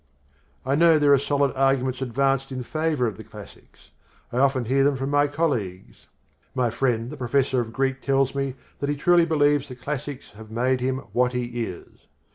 I know there are solid arguments advanced in favour of the classics. I often hear them from my colleagues. My friend the professor of Greek tells me that he truly believes the classics have made him what he is.